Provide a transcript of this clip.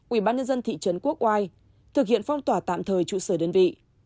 ủy ban nhân dân thị trấn quốc oai thực hiện phong tỏa tạm thời trụ sở đơn vị